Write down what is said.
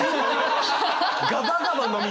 ガバガバ飲みそう！